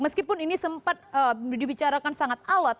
meskipun ini sempat dibicarakan sangat alot